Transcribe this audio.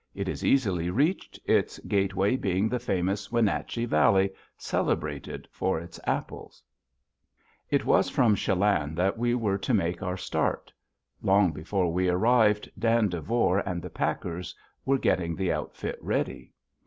It is easily reached, its gateway being the famous Wenatchee Valley, celebrated for its apples. It was from Chelan that we were to make our start. Long before we arrived, Dan Devore and the packers were getting the outfit ready.